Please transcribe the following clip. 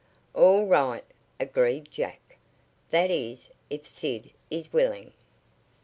"All right," agreed Jack. "That is, if Sid is, willing."